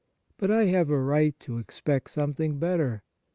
But I have a right to expect some thing better.